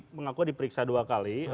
mengaku diperiksa dua kali